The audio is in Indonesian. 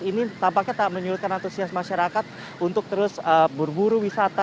ini tampaknya menunjukkan antusias masyarakat untuk terus berburu wisata